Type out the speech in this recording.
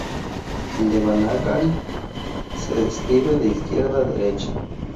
El devanagari se escribe de izquierda a derecha.